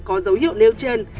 có dấu hiệu nêu trên